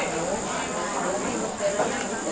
สวัสดีครับค่ะ